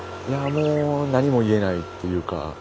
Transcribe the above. もう何も言えないっていうか